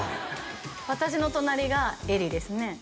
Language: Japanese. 私の隣が絵梨ですね